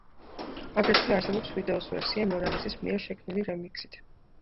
აგრეთვე არსებობს ვიდეოს ვერსია მორალესის მიერ შექმნილი რემიქსით.